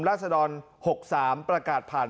ศดร๖๓ประกาศผ่าน